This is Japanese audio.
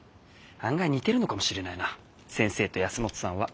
案外似てるのかもしれないな先生と保本さんは。